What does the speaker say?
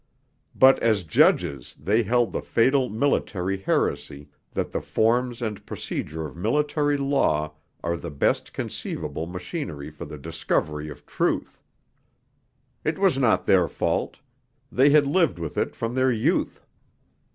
But as judges they held the fatal military heresy, that the forms and procedure of Military Law are the best conceivable machinery for the discovery of truth. It was not their fault; they had lived with it from their youth.